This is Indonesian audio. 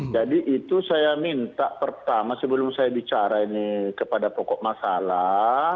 jadi itu saya minta pertama sebelum saya bicara ini kepada pokok masalah